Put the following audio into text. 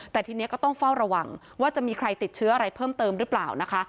แต่ทีนี้ก็ต้องเฝ้าระวังว่าจะมีใครติดเชื้ออะไรเพิ่มเติมหรือเปล่านะคะ